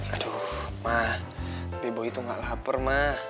aduh ma tapi bayi tuh gak lapar ma